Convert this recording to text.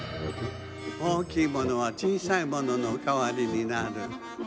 おおきいものはちいさいもののかわりになる。